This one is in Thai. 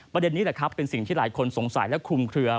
ประเด็นนี้เป็นสิ่งที่หลายคนสงสัยและคุมเคลือ